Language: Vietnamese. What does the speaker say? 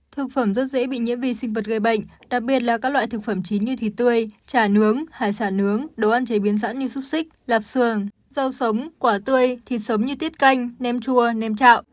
thực phẩm rất dễ bị nhiễm vi sinh vật gây bệnh đặc biệt là các loại thực phẩm chín như thịt tươi trà nướng hải sản nướng đồ ăn chế biến sẵn như xúc xích lạp xương rau sống quả tươi thịt sống như tiết canh nêm chua nêm trạo